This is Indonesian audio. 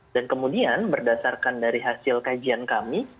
dan kemudian berdasarkan dari hasil kajian kami